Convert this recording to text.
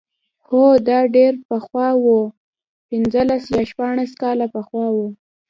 هو دا ډېر پخوا و پنځلس یا شپاړس کاله پخوا و.